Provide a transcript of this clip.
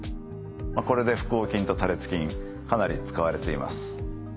これで腹横筋と多裂筋かなり使われています。